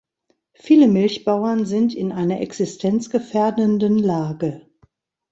Viele Milchbauern sind in einer existenzgefährdenden Lage.